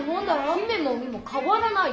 姫もおにもかわらないよ。